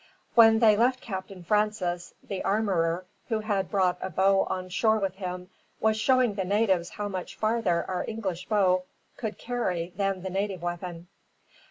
When they left Captain Francis, the armorer, who had brought a bow on shore with him, was showing the natives how much farther our English bow could carry than the native weapon.